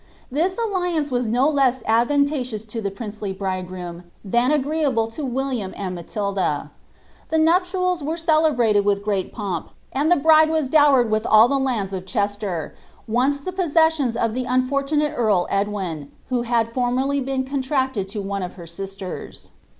This alliance was no less advantageous lu tlie princely bridegroom, than agreeable to William and Matilda. The nup tials were celebrated with great pomp, and ilic bride was dowered with all the lands of Chester, once the possessions of the unfortunate eatl Edwin, who hod formerly been coniracied to one of her sisters.'